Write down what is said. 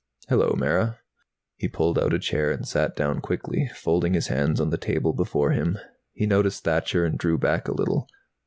"Hello, Mara." He pulled out a chair and sat down quickly, folding his hands on the table before him. He noticed Thacher and drew back a little.